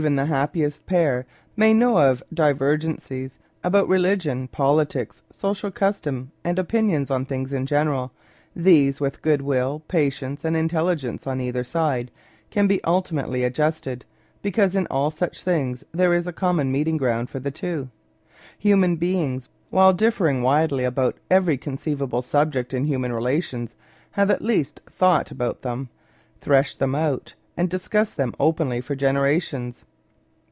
^ Married Love happiest pair may know of divergencies about re ligion, politics, social custom, and opinions on things in general, these, with goodwill, patience, and intel ligence on either side, can be ultimately adjusted, be cause in all such things there is a common meeting ground for the two. Human beings, while differing widely about every conceivable subject in such human relations, have at least thought about them, threshed them out, and discussed them openly for generations.